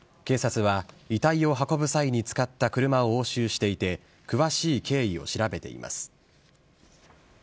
警察は遺体を運ぶ際に使った車を押収していて、詳しい経緯を調べています。